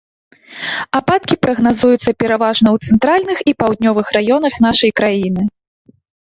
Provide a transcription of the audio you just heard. Ападкі прагназуюцца пераважна ў цэнтральных і паўднёвых раёнах нашай краіны.